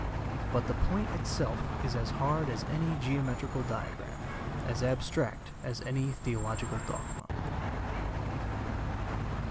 But the point itself is as hard as any geometrical diagram; as abstract as any theological dogma.